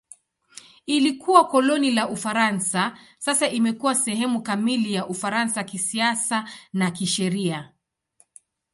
Ilikuwa koloni la Ufaransa; sasa imekuwa sehemu kamili ya Ufaransa kisiasa na kisheria.